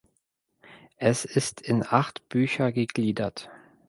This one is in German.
Es ist in acht Bücher gegliedert.